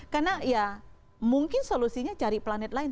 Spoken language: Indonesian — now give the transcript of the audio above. karena ya mungkin solusinya cari planet lain